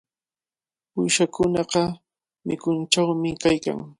Uyshakunaqa chikunchawmi kaykan.